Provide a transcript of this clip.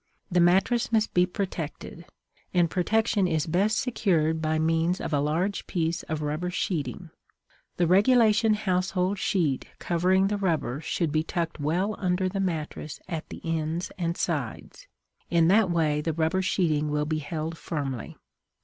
The mattress must be protected; and protection is best secured by means of a large piece of rubber sheeting. The regulation household sheet covering the rubber should be tucked well under the mattress at the ends and sides; in that way the rubber sheeting will be held firmly.